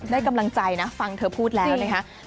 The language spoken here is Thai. ได้กำลังใจนะฟังเธอพูดแล้วนะคะ